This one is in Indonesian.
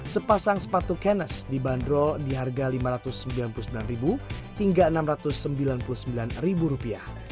sepasang sepatu cannes dibanderol di harga rp lima ratus sembilan puluh sembilan hingga rp enam ratus sembilan puluh sembilan